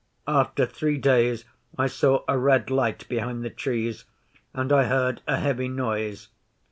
After three days I saw a red light behind the Trees, and I heard a heavy noise.